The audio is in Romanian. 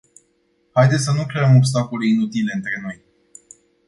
Haideți să nu creăm obstacole inutile între noi.